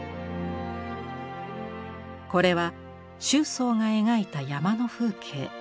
これは周桑が描いた山の風景。